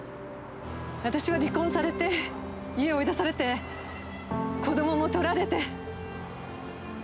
私は離婚されて家を追い出されて子どもも取られて。